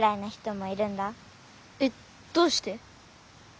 えっどうして？